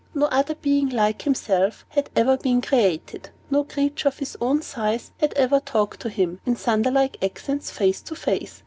No other being like himself had ever been created. No creature of his own size had ever talked with him, in thunder like accents, face to face.